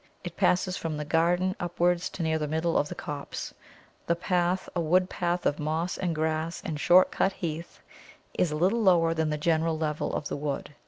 It passes from the garden upwards to near the middle of the copse. The path, a wood path of moss and grass and short cut heath, is a little lower than the general level of the wood.